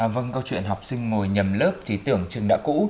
vâng câu chuyện học sinh ngồi nhầm lớp thì tưởng chừng đã cũ